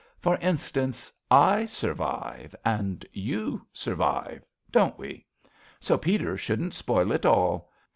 For instance, / survive, and you survive : Don't we? So Peter shouldn't spoil it all.